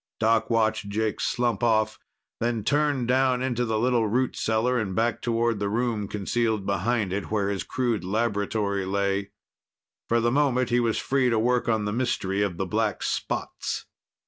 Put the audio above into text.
Doc watched Jake slump off, then turned down into the little root cellar and back toward the room concealed behind it, where his crude laboratory lay. For the moment, he was free to work on the mystery of the black spots.